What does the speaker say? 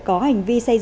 có hành vi xây dựng